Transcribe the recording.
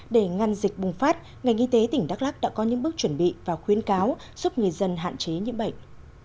để ngăn dịch bùng phát ngành y tế tỉnh đắk lắc đã có những bước chuẩn bị và khuyến cáo giúp người dân hạn chế nhiễm bệnh